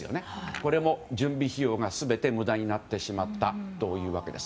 これも準備費用が全て無駄になってしまったというわけです。